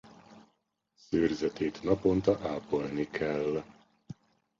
Szőrzetét naponta ápolni kell.